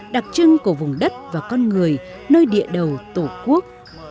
đặc trưng của vùng đất và con người nơi địa đầu tổ quốc